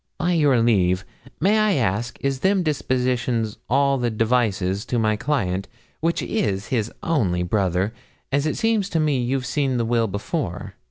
'By your leave, may I ask is them dispositions all the devises to my client, which is his only brother, as it seems to me you've seen the will before?'